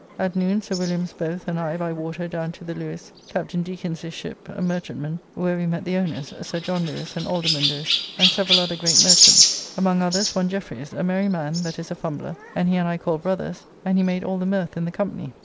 At noon Sir Williams both and I by water down to the Lewes, Captain Dekins, his ship, a merchantman, where we met the owners, Sir John Lewes and Alderman Lewes, and several other great merchants; among others one Jefferys, a merry man that is a fumbler, and he and I called brothers, and he made all the mirth in the company.